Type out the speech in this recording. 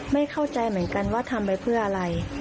ไม่เข้าใจเหมือนกันว่าทำไปเพื่ออะไร